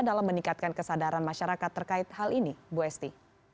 dalam meningkatkan kesadaran masyarakat terkait hal ini bu esti